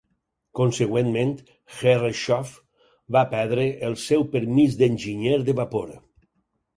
Consegüentment, Herreshoff va perdre el seu permís d'enginyer de vapor.